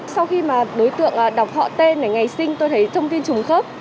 sau khi mà đối tượng đọc họ tên này ngày sinh tôi thấy thông tin trùng khớp